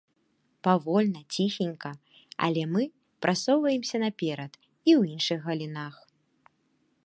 Павольна, ціхенька, але мы прасоўваемся наперад і ў іншых галінах.